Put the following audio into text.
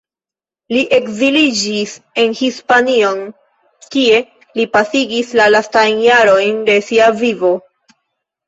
Li ekziliĝis en Hispanion, kie li pasigis la lastajn jarojn de sia vivo.